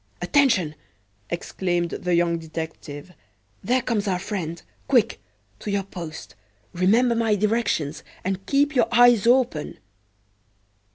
"Attention!" exclaimed the young detective, "there comes our friend! Quick! to your post; remember my directions, and keep your eyes open!"